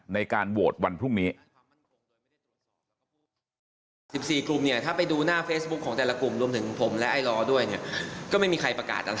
ในการโหวตวันพรุ่งนี้